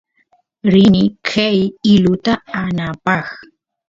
rini qeey iluta aanapaq